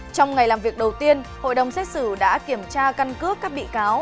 trong ngày làm việc đầu tiên hội đồng xét xử đã kiểm tra căn cước các bị cáo